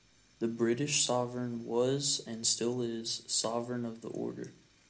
The British Sovereign was, and still is, Sovereign of the Order.